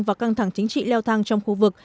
và căng thẳng chính trị leo thang trong khu vực